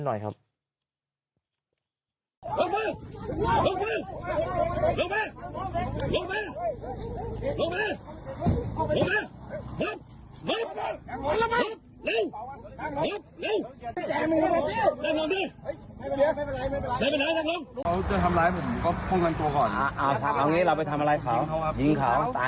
ไปครับอย่าเพิ่มมาให้ลูกแม่ลูกแม่ลูกแม่อย่างเปิดเอาไปแล้วไปเข้าไป